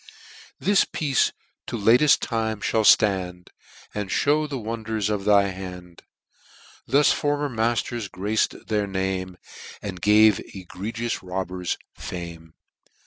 This piece to lateft time mall ftand, And mew the wonders of thy hand. Thus former matters grac'd their name. And gave egregious robbers fame.